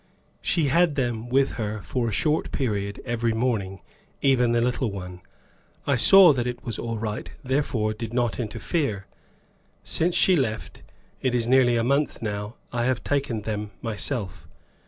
"She had them with her for a short period every morning, even the little one; I saw that it was all right, therefore did not interfere. Since she left it is nearly a month now I have taken them myself.